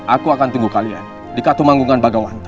aku akan tunggu kalian di katu manggungan bagawangka